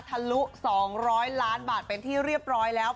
ทะลุ๒๐๐ล้านบาทเป็นที่เรียบร้อยแล้ว